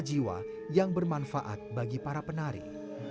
sebagai sebuah jiwa yang bermanfaat bagi para penari